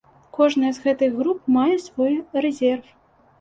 Кожная з гэтых груп мае свой рэзерв.